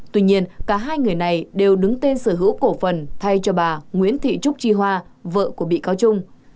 tuy nhiên cả hai người này đều đứng tên sở hữu cổ phần thay cho bà nguyễn thị trúc chi hoa vợ của bị cáo trung